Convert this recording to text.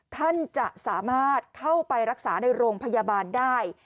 ท่านจะสามารถเข้าไปรักษาในโรงพยาบาลได้